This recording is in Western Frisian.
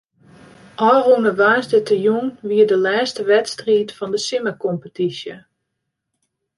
Ofrûne woansdeitejûn wie de lêste wedstriid fan de simmerkompetysje.